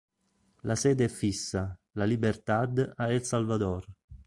La sede è fissa, La Libertad a El Salvador.